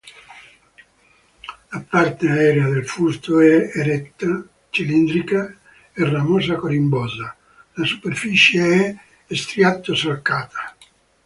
La parte aerea del fusto è eretta, cilindrica e ramosa-corimbosa; la superficie è striato-solcata.